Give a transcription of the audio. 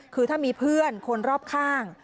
คือถ้ามีเพื่อนคนรอบข้าง